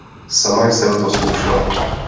Sama jsem to zkoušela.